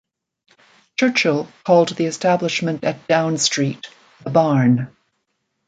Churchill called the establishment at Down Street "The Barn".